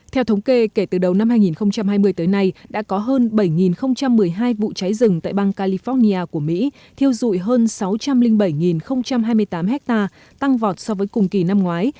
theo thống kê kể từ đầu năm hai nghìn hai mươi tới nay đã có hơn bảy một mươi hai vụ cháy rừng tại bang california của mỹ thiêu dụi hơn sáu trăm linh bảy hai mươi tám hectare tăng vọt so với cùng kỳ năm ngoái